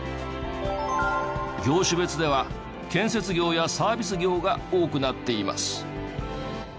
業種別では建設業やサービス業が多くなっています。